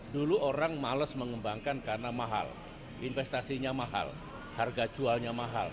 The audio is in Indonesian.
dulu orang males mengembangkan karena mahal investasinya mahal harga jualnya mahal